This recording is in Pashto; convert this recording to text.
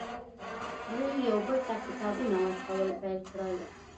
دوی یو بل ته کتابونه ورکول پیل کړل